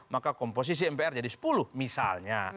maka komposisi mpr jadi sepuluh misalnya